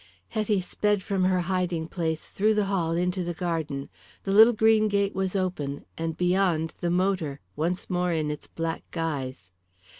Hetty sped from her hiding place through the hall into the garden. The little green gate was open, and beyond the motor, once more in its black guise.